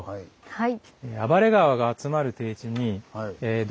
はい。